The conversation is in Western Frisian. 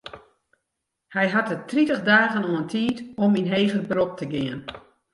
Hy hat it tritich dagen oan tiid om yn heger berop te gean.